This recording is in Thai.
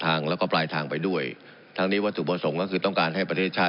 ทางแล้วก็บ่ายทางไปด้วยทันว่าสื่อประสงค์และคือต้องการให้ประเทศฉาติ